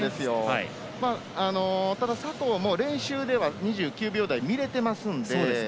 ただ、佐藤も練習では２９秒台、見れてますので。